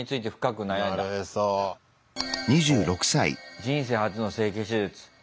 人生初の整形手術。